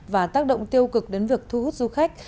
và tác động tiêu cực đến việc thu hút du khách